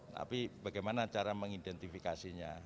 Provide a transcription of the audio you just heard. tapi bagaimana cara mengidentifikasinya